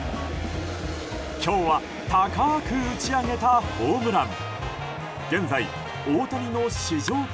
今日は高く打ち上げたホームラン！